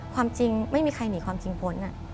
ความจริงไม่มีใครหนีความจริงพ้น